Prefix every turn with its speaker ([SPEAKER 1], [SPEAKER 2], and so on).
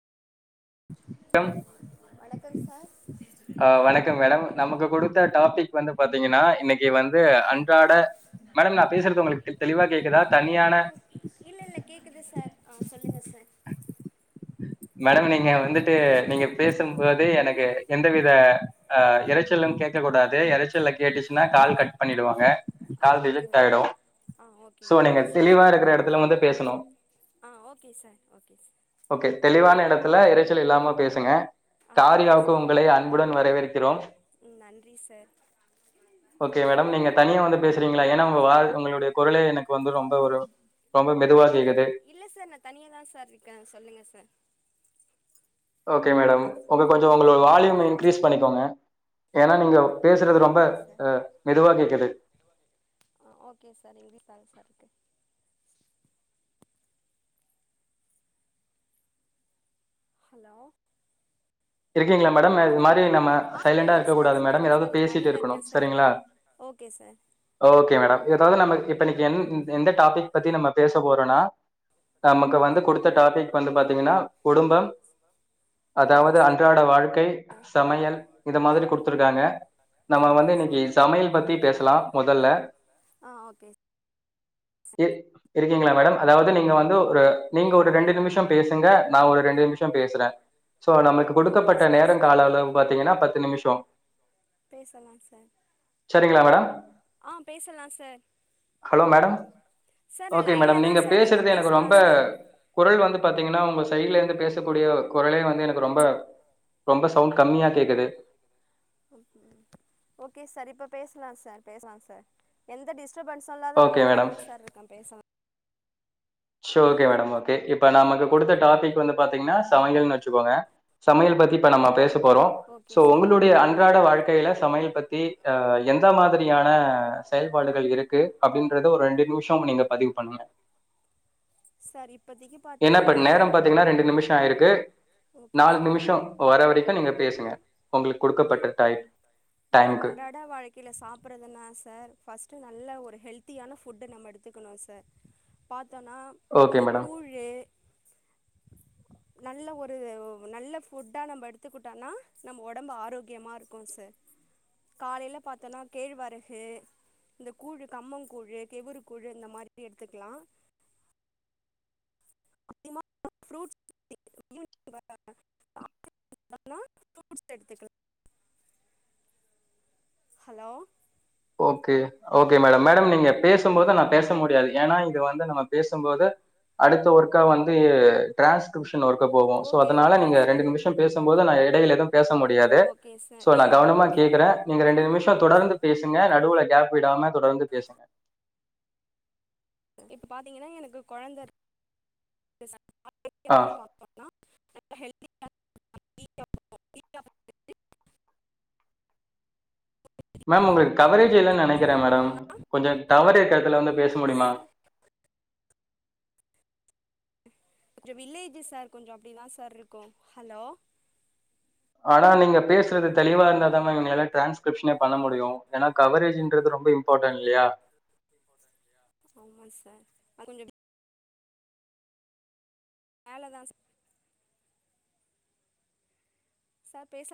[SPEAKER 1] Hello
[SPEAKER 2] அம்
[SPEAKER 1] வணக்கம் sir
[SPEAKER 2] அ வணக்கம் மேடம் நமக்கு கொடுத்த டாபிக் வந்து பாத்தீங்கன்னா இன்னைக்கு வந்து அன்றாட மேடம் நா பேசுறது உங்களுக்கு தெளிவா கேக்குதா தனியான
[SPEAKER 1] குது சார் ஆ சொல்லுங்க சார்
[SPEAKER 2] மேடம் நீங்க வந்துட்டு நீங்க பேசும்போது எனக்கு எந்தவித ஆ இறைச்சலும் கேக்க கூடாது இறைச்சல் கேட்டுச்சுன்னா கால் கட் பண்ணிடுவாங்க
[SPEAKER 1] ஆ
[SPEAKER 2] கால் ரிஜக்ட்
[SPEAKER 1] ஓகேங்க
[SPEAKER 2] ஆகிடும்
[SPEAKER 1] ஆ ஓகே
[SPEAKER 2] சோ நீங்க
[SPEAKER 1] ஓகே சார்
[SPEAKER 2] தெளிவா இருக்கற எடத்துல வந்து பேசணும்
[SPEAKER 1] ஆ okay sir okay sir
[SPEAKER 2] okay தெளிவான எடத்துல இறைச்சல் இல்லாம பேசுங்க
[SPEAKER 1] ஆ ஓகே
[SPEAKER 2] காரியாவுக்கு
[SPEAKER 1] சார்
[SPEAKER 2] உங்களை அன்புடன் வரவேற்கிறோம்
[SPEAKER 1] ம் நன்றி சார்
[SPEAKER 2] ஓகே மேடம் நீங்க தனியா வந்து பேச ஏனா உங்க வா உங்களுடைய குரலே எனக்கு வந்து ரொம்ப ஒரு ரொம்ப மெதுவா கேக்கு
[SPEAKER 1] இல்ல சார் நா தனியா தா சார் இருக்கே சொல்லுங்க சார்
[SPEAKER 2] ஓகே மேடம் உங்க கொஞ்சம் உங்களோட வால்யூம் இன்கிரீஸ் பண்ணிக்கோங்க ஏனா நீங்க
[SPEAKER 1] ஆ
[SPEAKER 2] பேசுறது ரொம்ப
[SPEAKER 1] ஓகே சார்
[SPEAKER 2] அ மெதுவா கேக்குது.
[SPEAKER 1] ஓகே சார் இன்க்ரிஸ்லதாங் சார் இருக்கு ஹலோ
[SPEAKER 2] இருக்கீங்களா மேடம் அது மார் கிங்ளா மே
[SPEAKER 1] ஆ
[SPEAKER 2] சைலண்டா
[SPEAKER 1] சொல்லுங்கள்
[SPEAKER 2] இருக்கக்கூடாது
[SPEAKER 1] சார்
[SPEAKER 2] மேடம்
[SPEAKER 1] சொல்லுங்கள்
[SPEAKER 2] ஏதாவது
[SPEAKER 1] சார் நான்
[SPEAKER 2] பேசிட்டு
[SPEAKER 1] லைனில்
[SPEAKER 2] இருக்கணு
[SPEAKER 1] இருக்கேன் சார்
[SPEAKER 2] சரிங்களா
[SPEAKER 1] ஓகே சார்
[SPEAKER 2] ஓகே மேடம் ஏதாவது நம்ம இப்ப இன்னைக்கு என் எந்த டாபிக் பத்தி நம்ம பேச போறோனா நமக்கு
[SPEAKER 1] ஆ
[SPEAKER 2] வந்து குடுத்த டாபிக் வந்து பாத்தீங்கன்னா குடும்பம்
[SPEAKER 1] ஓகே
[SPEAKER 2] அதாவது அன்
[SPEAKER 1] சார்
[SPEAKER 2] அன்றாட வாழ்க்கை சமையல் இது மாதிரி குடுத்துருக்காங்க நம்ம வந்து
[SPEAKER 1] ஓகே
[SPEAKER 2] இன்னைக்கி
[SPEAKER 1] சார்
[SPEAKER 2] சமையல் பத்தி பேசலா முதல்ல
[SPEAKER 1] ஆ ஓகே
[SPEAKER 2] இ இருக்கீங்களா மேடம் அதாவது நீங்க வந்து ஒரு நீங்க ஒரு ரெண்டு நிமிசோ பேசுங்க நா ஒரு ரெண்டு மிஷ்சோ பேசுற சோ நமக்
[SPEAKER 1] ஆ
[SPEAKER 2] கொடுக்கப்பட்ட
[SPEAKER 1] பேசலாம்
[SPEAKER 2] நேரம்
[SPEAKER 1] சார்
[SPEAKER 2] காலவு பாத்தீங்கன்னா பத்து நிமிசோ
[SPEAKER 1] பேசலாம் சார்
[SPEAKER 2] சரிங்களா மேடம்
[SPEAKER 1] ஆ பேசலாம் சார்
[SPEAKER 2] ஹலோ மேடம்
[SPEAKER 1] சார் நா
[SPEAKER 2] ஓகே
[SPEAKER 1] லைன்ல
[SPEAKER 2] மேடம்
[SPEAKER 1] தா
[SPEAKER 2] நீங்க
[SPEAKER 1] சார் இருக்கே
[SPEAKER 2] பேசுறது எனக்கு
[SPEAKER 1] பேசலா
[SPEAKER 2] ரொம்ப
[SPEAKER 1] சார்
[SPEAKER 2] குரல் வந்து பாத்திங்கனா உங்க சைட்ல இருந்து பேசக்கூடிய குரலே வந்து எனக்கு ரொம்ப ரொம்ப சவுண்டு கம்மியா கேக்குது
[SPEAKER 1] ஓகே ஓகே சர் இப்ப பேசலா சர் பேசலா சர் எந்த டிஷ் டிஸ்டபென்ஸ் சொல்லாத நா
[SPEAKER 2] ஓகே
[SPEAKER 1] மேல
[SPEAKER 2] மேடம்
[SPEAKER 1] தான் சர் இருக்கே பேசா
[SPEAKER 2] சோ ஓகே மேடம் ஓகே இப் ப்ப நமக்கு கொடுத்த டாபிக் வந்து பாத்தீங்னா சமையல்னு வச்சுக்கோங்க சமையல் பத்தி இப்ப நம்ம பேஸ் த்து போறோ
[SPEAKER 1] ஓகே
[SPEAKER 2] சோ
[SPEAKER 1] சார்
[SPEAKER 2] உங்களுடைய அன்றாட வாழ்க்கையில சமையல் பத்தி ஆ எந்த மாதிரியான அ செயல்பாடுகள் இருக்கு அப்டின்றத ஒரு ரெண்டு நிமிசோ நீங்க பதிவு பண்ணுங்க
[SPEAKER 1] சரிப்
[SPEAKER 2] என்னப் ப நேரம் பாத்திங்கின்னா ரெண்டு நிமிஷம் ஆயிருக்கு
[SPEAKER 1] ஓகே
[SPEAKER 2] நாலு
[SPEAKER 1] சார்
[SPEAKER 2] நிமிசோ வர வரைக்கும் நீங்க பேசுங்க உங்களுக்
[SPEAKER 1] நம்ம அன்றாடா வாழ்க்கையில சாப்பறதுன்னா சர் ஃபஸ்ட் நல்ல உ ஒரு ஹெல்த்தியான ஃபுட்ட நம்ம எடுத்துக்கணு சர் பாத் த்தனாம்
[SPEAKER 2] ஓகே
[SPEAKER 1] இந்த
[SPEAKER 2] மேடம்
[SPEAKER 1] கூழ்ழே நல்ல ஒரு நல்ல ஃபுட்டா நம்ம எடுத்துகுட்டனா நம்ம ஒட உடம்ப ஆரோக்கியமா இருக்கு சர் காலேல பாத்தேன்னா கேழ்வரகு இந்த கூழு கம்போ கூழ் கெவுரு கூழு இந்த மாரி எடுத்துக்கிலா அதிகமா ஃப்ரூட் [unintelligible] ஈவுனிங் வரா அ [unintelligible] ஃப்ரூட்ஸ் எடுத்துக்கலா hello
[SPEAKER 2] okay okay madam madam நீங்க பேசும்போது நா பேச முடியாது ஏன்னா இது வந்து நம்ம பேசும்போது அடுத்து ஒர்கா வந்து ட்ரான்ஸ்கிரிப் இன்னோருக்க போவோ சோ
[SPEAKER 1] ஓகே
[SPEAKER 2] அதனால
[SPEAKER 1] ஓகே
[SPEAKER 2] நீங்க ரெண்டு
[SPEAKER 1] சார்
[SPEAKER 2] நிமிஷம் பேசும்போது நா ஏ எலேலதம் பேச முடியாது
[SPEAKER 1] ஓகே சார்
[SPEAKER 2] சோ நா
[SPEAKER 1] ஏங்க
[SPEAKER 2] கவனமா கேட்கற நீங்க ரெண்டு நிமிசோ தொடர்ந்து பேஸ் நடுவுல கேப் விடாம தொடர்ந்து பேசுங்க
[SPEAKER 1] இப்ப பாத்தீங்கன்னா எனக்கு குழந்தக் டேஸ் அ
[SPEAKER 2] ஆ
[SPEAKER 1] [unintelligible] பாப்பனா அ ஹெல்பிங் [unintelligible]
[SPEAKER 2] மேம் உங்களுக்கு
[SPEAKER 1] ஃபுட்டு
[SPEAKER 2] கவரேஜ் இல்லனு
[SPEAKER 1] இதையு
[SPEAKER 2] நனைக்கிற மேடம்
[SPEAKER 1] பாத்தோன்னா
[SPEAKER 2] கொஞ்சம் டவருக்கறத்துல வந்து பேசு முடியுமா
[SPEAKER 1] சார் கொஞ்ச வில்லேஜி சார் கொஞ்சோ அப்டிதா சார்ருக்கும் ஹலோ
[SPEAKER 2] ஆனா நீங்க பேசுறது தெளிவா இருந்தா தாமா என்னால டிரான்ஸ்கிரிப்ஷனே பண்ண முடியும் ஏன்னா கவரேஜ்ன்றது ரொம்ப இம்பார்ட்டன்ட் இல்லயா
[SPEAKER 1] ஆமா சார் கொஞ்ச [unintelligible] வேலதா சர் சார் பேச